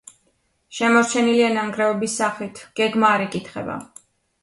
შემორჩენილია ნანგრევების სახით, გეგმა არ იკითხება.